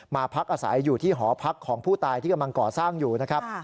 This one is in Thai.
พักอาศัยอยู่ที่หอพักของผู้ตายที่กำลังก่อสร้างอยู่นะครับ